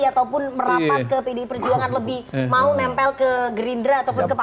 ataupun merapat ke pdi perjuangan